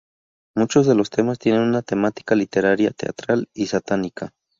Muchos de los temas tienen una temática literaria, teatral y satánica.